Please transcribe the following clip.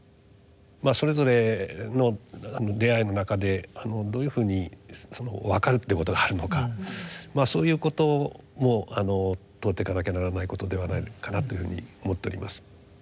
それぞれの出会いの中でどういうふうにわかるっていうことがあるのかそういうことも問うていかなきゃならないことではないかなというふうに思っております。